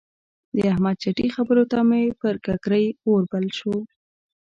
د احمد چټي خبرو ته مې پر ککرۍ اور بل شو.